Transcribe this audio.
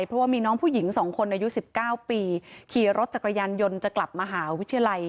เพราะว่ามีน้องผู้หญิง๒คนอายุ๑๙ปีขี่รถจักรยานยนต์จะกลับมหาวิทยาลัย